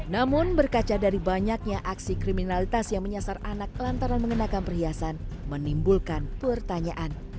namun berkaca dari banyaknya aksi kriminalitas yang menyasar anak lantaran mengenakan perhiasan menimbulkan pertanyaan